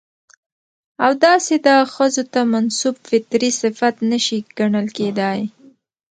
او داسې دا ښځو ته منسوب فطري صفت نه شى ګڼل کېداى.